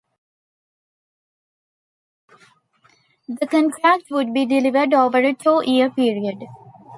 The contract would be delivered over a two-year period.